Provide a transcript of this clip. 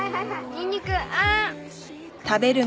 ニンニクあーん。